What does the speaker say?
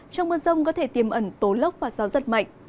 trong mưa rông có thể tiềm ẩn tố lốc và gió rất mạnh